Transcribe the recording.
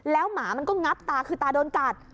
แล้วหมามันก็งับตาคือตาโดนกัด